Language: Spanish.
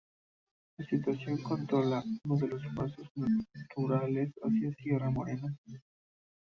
Su situación controla uno de los pasos naturales hacia Sierra Morena.